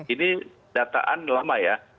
ini dataan lama ya